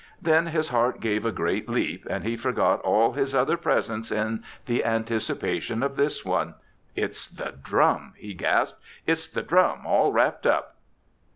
Then his heart gave a great leap, and he forgot all his other presents in the anticipation of this one. "It's the drum!" he gasped. "It's the drum, all wrapped up!"